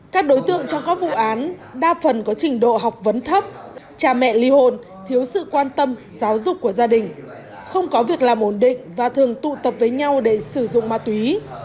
các đối tượng trong các vụ án đa phần có trình độ học vấn thấp cha mẹ ly hôn thiếu sự quan tâm giáo dục của gia đình không có việc làm ổn định và thường tụ tập với nhau để sử dụng ma túy